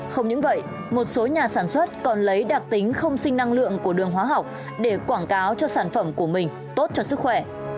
không những vậy một số nhà sản xuất còn lấy đặc tính không sinh năng lượng của đường hóa học để quảng cáo cho sản phẩm của mình tốt cho sức khỏe